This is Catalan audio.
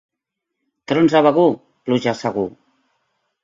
Trons a Begur, pluja segur.